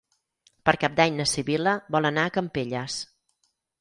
Per Cap d'Any na Sibil·la vol anar a Campelles.